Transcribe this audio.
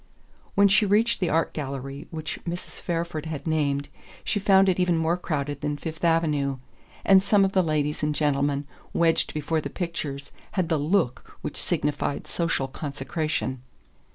When she reached the art gallery which Mrs. Fairford had named she found it even more crowded than Fifth Avenue; and some of the ladies and gentlemen wedged before the pictures had the "look" which signified social consecration.